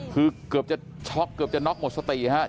คือเกือบจะช็อกเกือบจะน็อกหมดสติฮะ